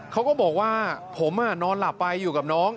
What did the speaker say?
เขาก็บอกว่าผมนอนหลับไปอยู่กับน้อง